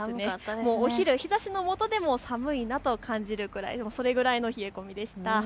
もうお昼、日ざしのもとでも寒いなと感じるくらい、それぐらいの冷え込みでした。